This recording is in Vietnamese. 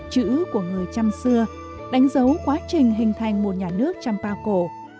chữ của người trăm xưa đánh dấu quá trình hình thành một nhà nước trăm pa cổ